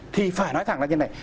thì phải nói thẳng là như thế này